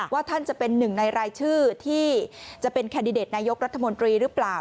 ท่านจะเป็นหนึ่งในรายชื่อที่จะเป็นแคนดิเดตนายกรัฐมนตรีหรือเปล่า